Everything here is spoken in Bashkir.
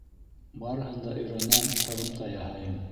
Барыһын да өйрәнәм, һығымта яһайым.